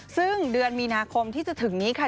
ซึ่งเดือนมีนาคมที่จะถึงนี้ค่ะ